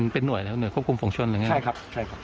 เป็นหน่วยนะครับหน่วยควบคุมฝงชนใช่ครับ